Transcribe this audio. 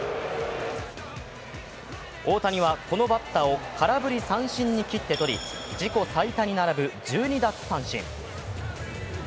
大谷は、このバッターを空振り三振にきってとり自己最多に並ぶ１２奪三振。